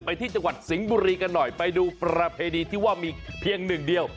ที่จังหวัดสิงห์บุรีกันหน่อยไปดูประเพณีที่ว่ามีเพียงหนึ่งเดียว